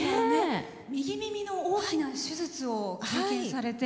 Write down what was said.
右耳の大きな手術を経験されて。